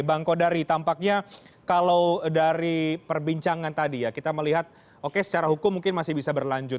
bang kodari tampaknya kalau dari perbincangan tadi ya kita melihat oke secara hukum mungkin masih bisa berlanjut